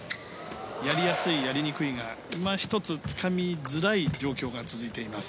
やりやすい、やりにくいが今一つ、つかみづらい状況が続いています。